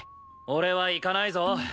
俺は行かないぞ。